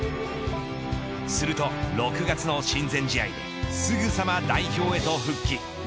すると、６月の親善試合ですぐさま代表へと復帰。